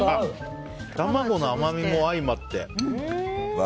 卵の甘みも相まって。